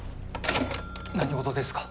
何事ですか？